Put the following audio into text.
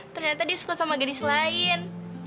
ternyata dia suka sama gandy selain